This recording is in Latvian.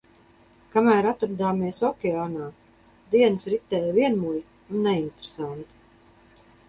Kamēr atradāmies okeānā, dienas ritēja vienmuļi un neinteresanti.